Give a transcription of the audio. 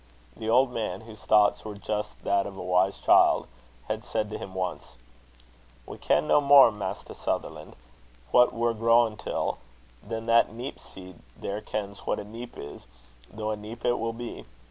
The old man, whose thoughts were just those of a wise child, had said to him once: "We ken no more, Maister Sutherlan', what we're growin' till, than that neep seed there kens what a neep is, though a neep it will be.